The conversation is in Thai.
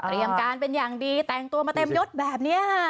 เตรียมการเป็นอย่างดีแต่งตัวมาเต็มยกแบบเนี่ย